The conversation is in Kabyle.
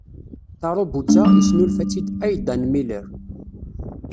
Tarubut-a, yesnulfa-tt-id Aidan Meller.